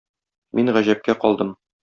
Мин гаҗәпкә калдым.